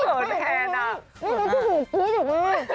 นี่มันคือหูปื๊ดอยู่นี่